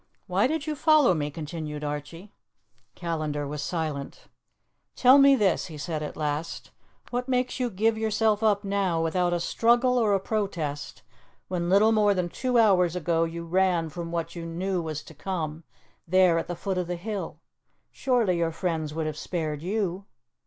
"Why did you follow me?" continued Archie. Callandar was silent. "Tell me this," he said at last: "What makes you give yourself up now, without a struggle or a protest, when little more than two hours ago you ran from what you knew was to come, there, at the foot of the hill? Surely your friends would have spared _you!